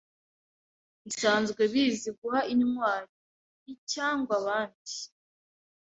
bisanzwe bizwi guha intwari icyangwa abandi